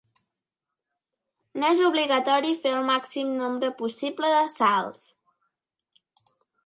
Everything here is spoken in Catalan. No és obligatori fer el màxim nombre possible de salts.